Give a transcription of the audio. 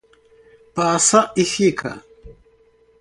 Passa-e-Fica